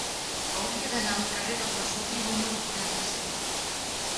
Hauria d'anar al carrer del Vesuvi número quaranta-cinc.